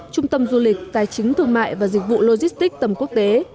trung tâm du lịch tài chính thương mại và dịch vụ logistics tầm quốc tế